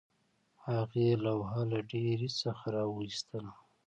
هغې لوحه له ډیرۍ څخه راویستله